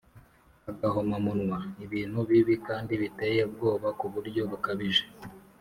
agahomamunwa: ibintu bibi kandi biteye ubwoba ku buryo bukabije